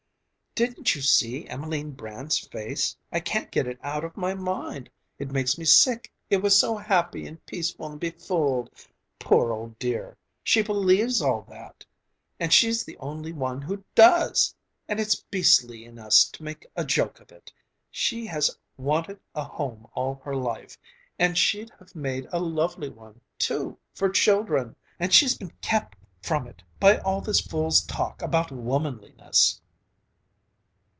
"Didn't you see Emelene Brand's face? I can't get it out of my mind! It makes me sick, it was so happy and peaceful and befooled! Poor old dear! She believes all that! And she's the only one who does! And its beastly in us to make a joke of it! She has wanted a home all her life, and she'd have made a lovely one, too, for children! And she's been kept from it by all this fool's talk about womanliness."